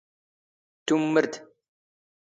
ⵜⵓⵎⵎⵔⴷ?